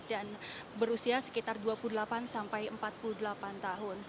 dan berusia sekitar dua puluh delapan sampai empat puluh delapan tahun